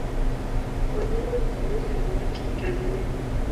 Wanyambo ni kabila la watu wa Tanzania